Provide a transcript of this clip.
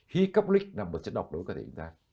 khí carbonic là một chất độc đối với cơ thể chúng ta